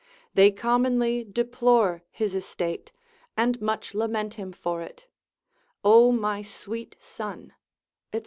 They commonly deplore his estate, and much lament him for it: O, my sweet son, &c.